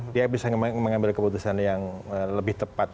dia bisa mengambil keputusan yang lebih tepat